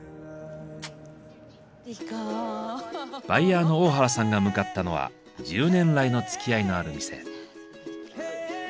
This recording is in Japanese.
バイヤーの大原さんが向かったのは１０年来のつきあいのある店。